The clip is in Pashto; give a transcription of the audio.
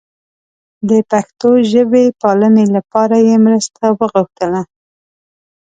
د پښتو ژبې پالنې لپاره یې مرسته وغوښتله.